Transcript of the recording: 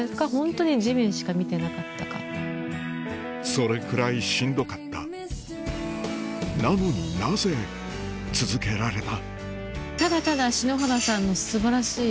それくらいしんどかったなのになぜ続けられた？